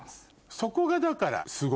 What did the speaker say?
そこがだから。